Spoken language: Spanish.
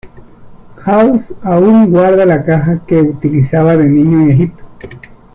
House aún guarda la caja que utilizaba de niño en Egipto.